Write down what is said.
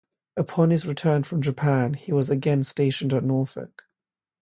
Upon his return from Japan, he was again stationed at Norfolk.